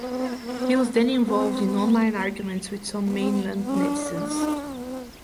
He was then involved in online arguments with some mainland netizens.